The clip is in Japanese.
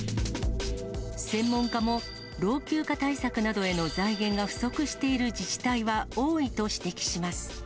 専門家も老朽化対策などへの財源が不足している自治体は多いと指摘します。